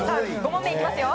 ５問目いきますよ。